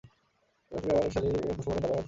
তুমি আমার শ্যালীপুষ্পবনে দাবানল আনতে চাও?